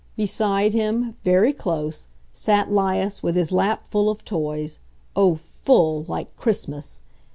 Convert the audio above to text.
Beside him, very close, sat 'Lias with his lap full of toys, oh, FULL—like Christmas!